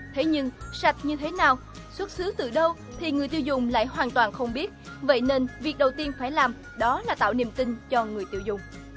thế nhưng sạch như thế nào xuất xứ từ đâu thì người tiêu dùng lại hoàn toàn không biết vậy nên việc đầu tiên phải làm đó là tạo niềm tin cho người tiêu dùng